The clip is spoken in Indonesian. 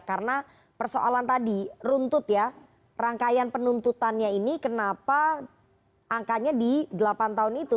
karena persoalan tadi runtut ya rangkaian penuntutannya ini kenapa angkanya di delapan tahun itu